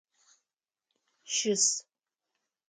Щыс!